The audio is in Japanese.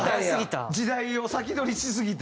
時代を先取りしすぎた？